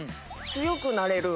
「強くなれる」